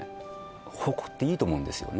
誇っていいと思うんですよね